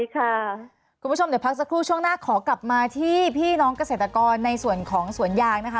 คุณผู้ชมเดี๋ยวพักสักครู่ช่วงหน้าขอกลับมาที่พี่น้องเกษตรกรในส่วนของสวนยางนะคะ